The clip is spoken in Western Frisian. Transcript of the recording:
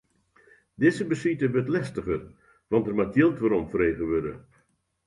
Dizze besite wurdt lestiger, want der moat jild weromfrege wurde.